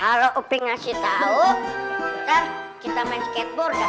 kalau iping ngasih tau ntar kita main skateboard ya